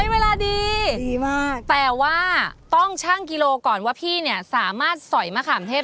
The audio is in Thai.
เวลาดีดีมากแต่ว่าต้องช่างกิโลก่อนว่าพี่เนี่ยสามารถสอยมะขามเทศ